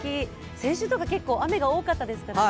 先週とか結構雨が多かったですからね。